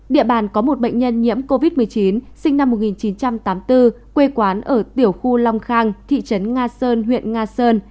địa bàn có một bệnh nhân nhiễm covid một mươi chín sinh năm một nghìn chín trăm tám mươi bốn quê quán ở tiểu khu long khang thị trấn nga sơn huyện nga sơn